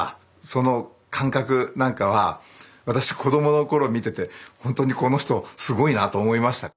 その感覚なんかは私子供の頃見ててほんとにこの人すごいなと思いました。